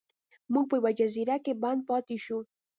موږ په یوه جزیره کې بند پاتې شو.